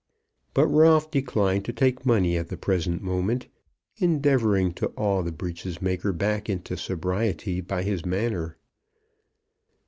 But Ralph declined to take money at the present moment, endeavouring to awe the breeches maker back into sobriety by his manner.